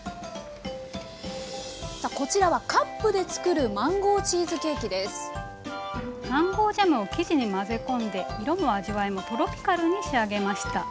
さあこちらはカップで作るマンゴージャムを生地に混ぜ込んで色も味わいもトロピカルに仕上げました。